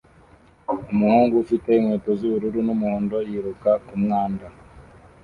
Umuhungu ufite inkweto zubururu numuhondo yiruka kumwanda